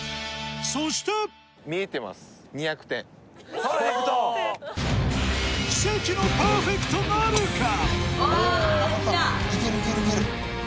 そして奇跡のパーフェクトなるか？